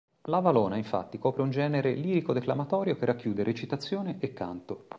La valona infatti copre un genere lirico-declamatorio che racchiude recitazione e canto.